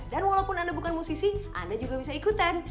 dan walaupun anda bukan musisi anda juga bisa ikutan